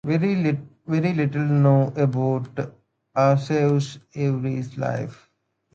Very little is known about Aushev's early life.